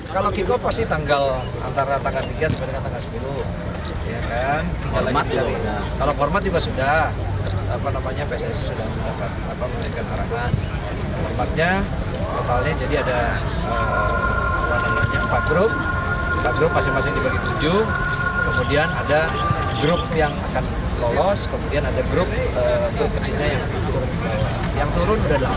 ketika di liga satu kiko akan menemukan format terbaik yang dijalankan pada september